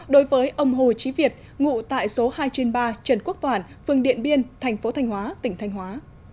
đối với ông hồ chí việt ngụ tại số hai trên ba trần quốc toản phương điện biên tp thanh hóa tỉnh thanh hóa